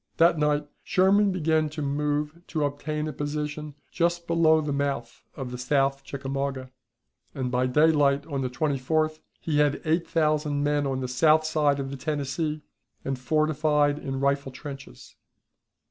That night Sherman began to move to obtain a position just below the mouth of the South Chickamauga, and by daylight on the 24th he had eight thousand men on the south side of the Tennessee, and fortified in rifle trenches.